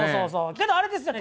けどあれですよね